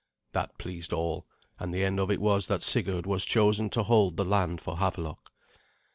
That pleased all, and the end of it was that Sigurd was chosen to hold the land for Havelok.